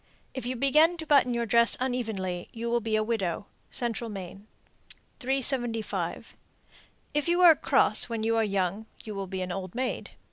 If you begin to button your dress unevenly, you will be a widow. Central Maine. 375. If you are cross when you are young, you will be an old maid.